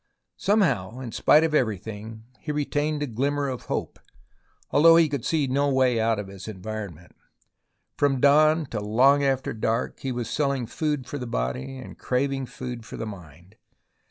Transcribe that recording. Some how, in spite of everything, he retained a glimmer of hope, although he could see no way out of his environment. From dawn to long after dark he was selling food for the body and craving food for the mind.